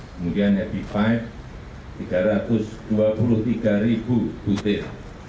kemudian happy five tiga ratus dua puluh tiga ribu butir